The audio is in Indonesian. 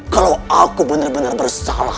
kalau aku benar benar bersalah